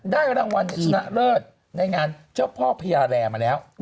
รางวัลชนะเลิศในงานเจ้าพ่อพญาแร่มาแล้ว